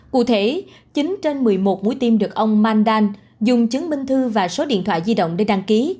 cụ thể chín trên một mươi một mũi tim được ông mandan dùng chứng minh thư và số điện thoại di động để đăng ký